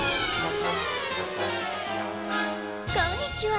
こんにちは。